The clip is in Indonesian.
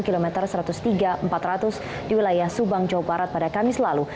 kilometer satu ratus tiga empat ratus di wilayah subang jawa barat pada kamis lalu